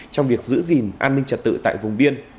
trong việc giữ gìn an ninh trật tự tại vùng biên